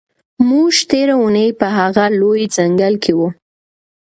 موږ تېره اونۍ په هغه لوی ځنګل کې وو.